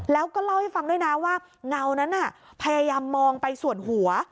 แล้วก็เล่าให้ฟังด้วยนะว่าเงานั้นพยายามมองไปส่วนหัว